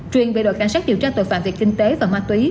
truyền về đội cảnh sát điều tra tội phạm về kinh tế và ma túy